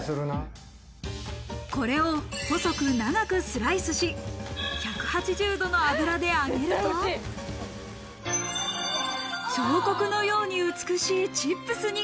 これを細く、長くスライスし、１８０度の油で揚げると、彫刻のように美しいチップスに。